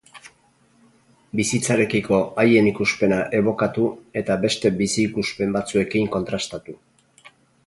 Bizitzarekiko haien ikuspena ebokatu eta beste bizi-ikuspen batzuekin kontrastatu.